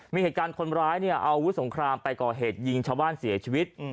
มีเหตุการณ์คนร้ายเนี่ยอาวุธสงครามไปก่อเหตุยิงชาวบ้านเสียชีวิต